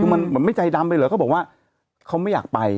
มันไม่ใจดำไปหรอกเขาบอกว่าเขาไม่อยากไป